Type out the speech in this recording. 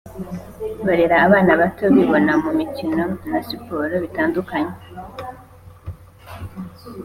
barere abana bato bibona mu mikino na siporo bitandukanye